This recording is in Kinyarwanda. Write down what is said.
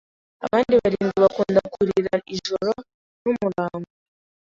Abandi barindwi bakunda kurira ijoro numurango